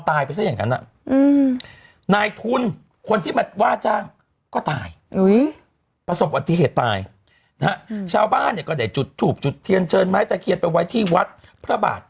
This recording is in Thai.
บางคนก็อาจจะเดินทางไปพวกนี้วันเสาร์